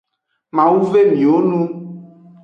Mawu ve miwo nu.